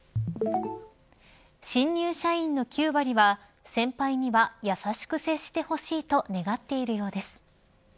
新入社員の９割は先輩には、優しく接してほしいと願っているようです。